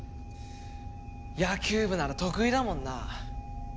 野球部なら得意だもんな。